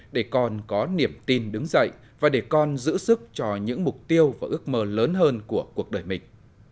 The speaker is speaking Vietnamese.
để con có niềm tin đứng dậy và để con giữ sức cho những mục tiêu và ước mơ lớn hơn của cuộc đời mình